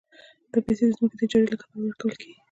دا پیسې د ځمکې د اجارې له کبله ورکول کېږي